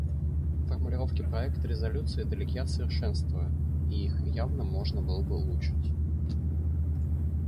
Формулировки проекта резолюции далеки от совершенства, и их явно можно было бы улучшить.